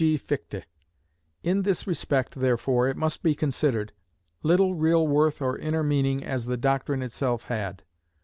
G. Fichte. In this respect, therefore, it must be considered; little real worth or inner meaning as the doctrine itself had.